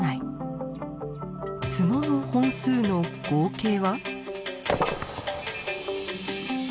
角の本数の合計は？